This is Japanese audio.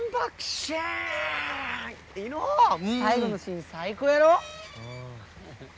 最後のシーン最高やろ。